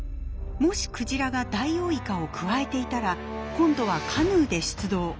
もしクジラがダイオウイカをくわえていたら今度はカヌーで出動。